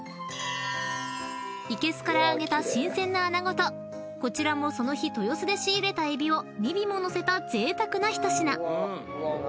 ［いけすからあげた新鮮な穴子とこちらもその日豊洲で仕入れた海老を２尾も載せたぜいたくな一品］